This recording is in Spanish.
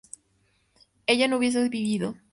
ella no hubiese vivido